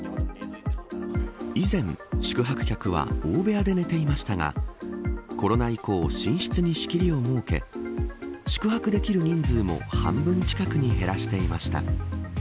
以前、宿泊客は大部屋で寝ていましたがコロナ以降、寝室に仕切りを設け宿泊できる人数も半分近くに減らしていました。